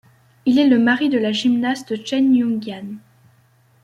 Il est le mari de la gymnaste Chen Yongyan.